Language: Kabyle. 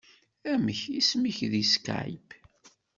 Amek isem-ik deg Skype?